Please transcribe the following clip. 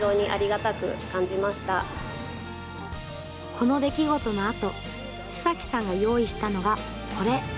この出来事のあと須崎さんが用意したのが、これ。